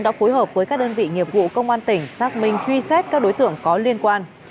đã phối hợp với các đơn vị nghiệp vụ công an tỉnh xác minh truy xét các đối tượng có liên quan